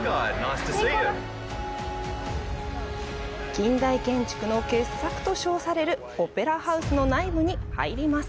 近代建築の傑作と称されるオペラハウスの内部に入ります。